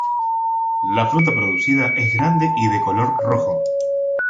La fruta producida es grande y de color rojo.